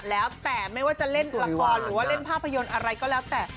แล้วแต่ไม่ว่าจะเล่นละครหรือว่าเล่นภาพยนตร์อะไรก็แล้วแต่